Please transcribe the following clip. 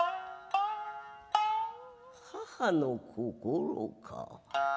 「母の心か。